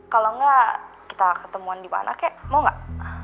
kalo nggak kita ketemuan dimana kek mau gak